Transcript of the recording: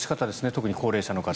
特に高齢者の方。